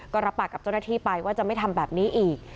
ก็รับปากกับเจ้าหน้าที่ไปว่าจะไม่ทำแบบนี้อีก